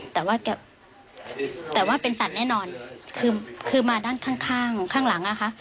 แต่ว่าเป็นสัตว์แน่นอนคือมาด้านข้างข้างหลังอะค่ะ